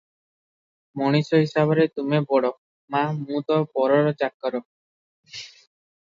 ମଣିଷ ହିସାବରେ ତୁମେ ବଡ଼ ମା, ମୁଁ ତ ପରର ଚାକର ।